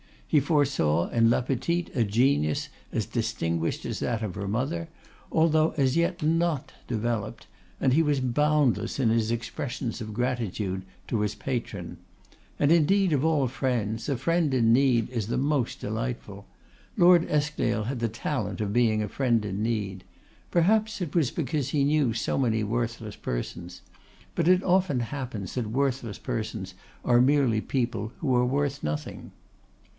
He foresaw in La Petite a genius as distinguished as that of her mother, although as yet not developed, and he was boundless in his expressions of gratitude to his patron. And indeed of all friends, a friend in need is the most delightful. Lord Eskdale had the talent of being a friend in need. Perhaps it was because he knew so many worthless persons. But it often happens that worthless persons are merely people who are worth nothing.